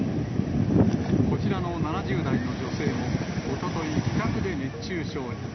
こちらの７０代の女性も、おととい、自宅で熱中症に。